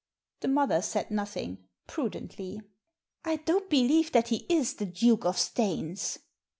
The mother said nothing — prudently. " I don't believe that he is the Duke of Staines."